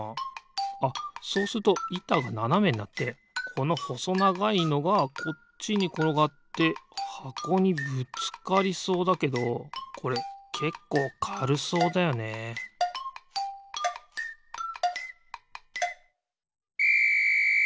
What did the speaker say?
あっそうするといたがななめになってこのほそながいのがこっちにころがってはこにぶつかりそうだけどこれけっこうかるそうだよねピッ！